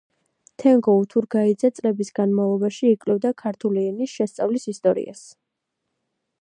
თედო უთურგაიძე წლების განმავლობაში იკვლევდა ქართული ენის შესწავლის ისტორიას.